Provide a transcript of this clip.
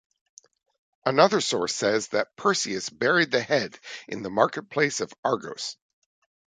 Another source says that Perseus buried the head in the marketplace of Argos.